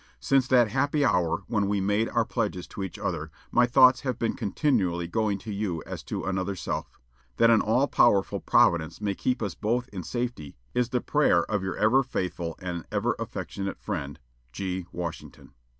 Since that happy hour when we made our pledges to each other, my thoughts have been continually going to you as to another self. That an all powerful Providence may keep us both in safety is the prayer of your ever faithful and "Ever affectionate friend, "G. WASHINGTON."